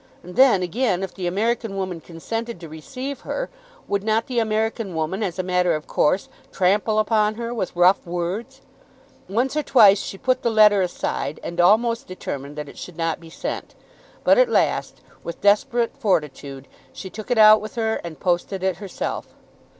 And then, again, if the American woman consented to receive her, would not the American woman, as a matter of course, trample upon her with rough words? Once or twice she put the letter aside, and almost determined that it should not be sent; but at last, with desperate fortitude, she took it out with her and posted it herself.